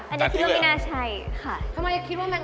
อันนี้คือมีนาชัย